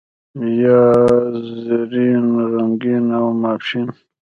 یا زرین، غمګین او ماپښین.